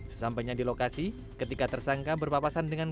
sesampainya di lokasi ketika tersangka berpapasan dengan